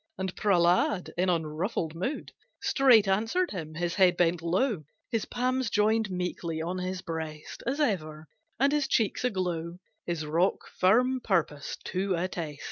And Prehlad, in unruffled mood Straight answered him; his head bent low, His palms joined meekly on his breast As ever, and his cheeks aglow His rock firm purpose to attest.